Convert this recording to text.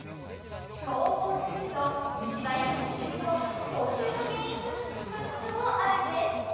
歯垢を放置すると虫歯や歯周病口臭の原因となってしまうこともあるんです